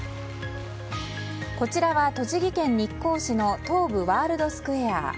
こちらは栃木県日光市の東武ワールドスクウェア。